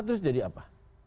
terus jadi apa